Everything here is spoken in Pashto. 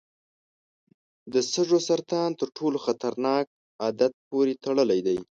د سږو سرطان تر ټولو خطرناک عادت پورې تړلی دی.